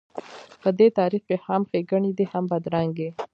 په دې تاریخ کې هم ښېګڼې دي هم بدرنګۍ.